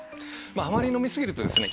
あまり飲みすぎるとですね